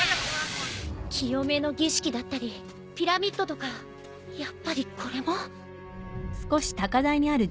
清めの儀式だったりピラミッドとかやっぱりこれも？